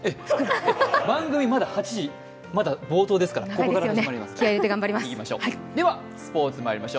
番組まだ冒頭ですからここから始まります。